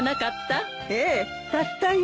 ええたった今。